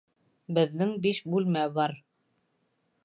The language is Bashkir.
Беҙҙең биш бүлмә бар